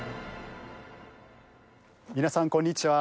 皆さんこんにちは。